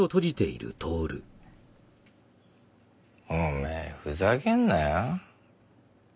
おめえふざけんなよ。